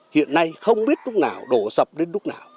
hiện nay không biết lúc nào đổ sập đến lúc nào